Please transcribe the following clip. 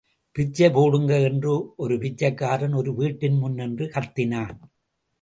பிச்சை போடுங்க என்று ஒரு பிச்சைக்காரன் ஒரு வீட்டின்முன் நின்று கத்தினான்.